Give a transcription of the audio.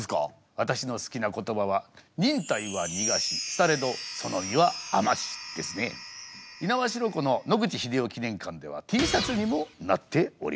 私の好きな言葉は猪苗代湖の野口英世記念館ではＴシャツにもなっております。